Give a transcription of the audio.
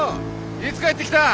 いつ帰ってきた？